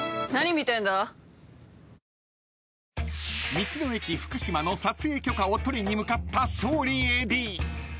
［道の駅ふくしまの撮影許可を取りに向かった勝利ＡＤ］